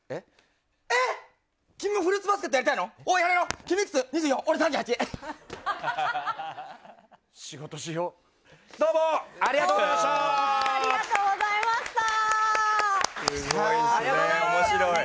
君もフルーツバスケットやりたいの？